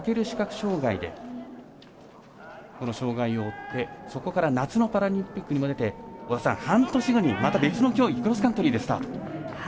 視覚障がいでこの障がいを追ってそこから夏のパラリンピックに向けて半年後にまた別の競技クロスカントリーでスタート。